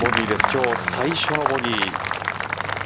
今日最初のボギー。